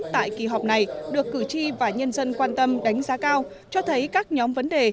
tại kỳ họp này được cử tri và nhân dân quan tâm đánh giá cao cho thấy các nhóm vấn đề